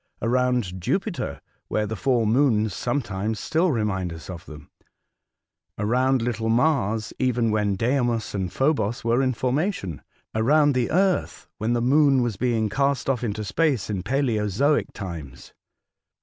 Around Jupiter, where the four moons sometimes still remind us of them ; around little Mars, even when Deimos and Phobos were in formation ; around the Earth, when the Moon was being cast off into space in palaeozoic times.